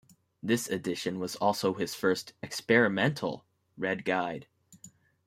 This edition was also his first 'experimental' red guide.